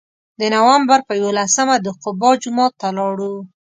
د نوامبر په یولسمه د قبا جومات ته لاړو.